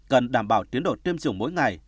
cần đảm bảo tiến độ tiêm chủng mỗi ngày